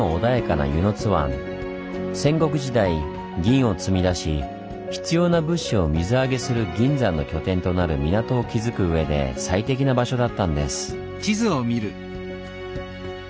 戦国時代銀を積み出し必要な物資を水揚げする銀山の拠点となる港を築くうえで最適な場所だったんです。